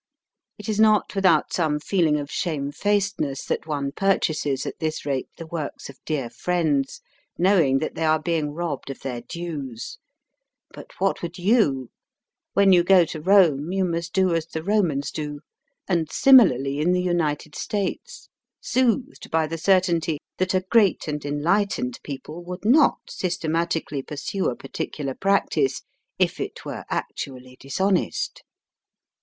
It is not without some feeling of shamefacedness that one purchases at this rate the works of dear friends, knowing that they are being robbed of their dues. But what would you ? When you go to Kome you must do as the Eomans do, and similarly in the United States, soothed by the certainty Digitized by VjOOQIC "off sandy hook." 13 that a great and enlightened people would not systematically pursue a particular practice if it were actually dishonest.